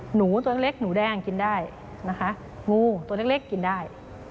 หนูตัวเล็กหนูแดงกินได้นะคะงูตัวเล็กกินได้